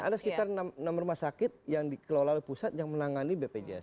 ada sekitar enam rumah sakit yang dikelola oleh pusat yang menangani bpjs